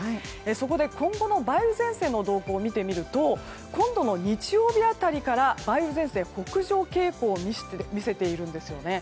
そこで、今後の梅雨前線の動向を見てみると今度の日曜日辺りから梅雨前線、北上傾向を見せているんですね。